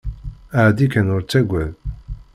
Ɛeddi kan ur ttagad.